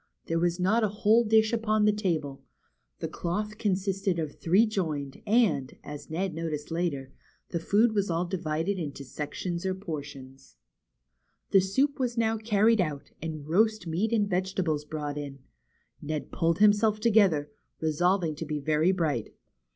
There was not a whole dish upon the table, the cloth BEHIND THE WARDROBE. 75 consisted of three joined, and, as Ned noticed later, the food was all divided into sections or portions. The soup was now carried out, and roast meat and vegetables brought in. Ned pulled himself together, resolving to be very bright.